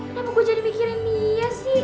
kenapa gue jadi mikirin dia sih